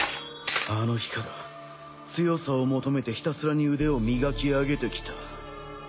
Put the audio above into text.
あの日から強さを求めてひたすらに腕を磨き上げてきた。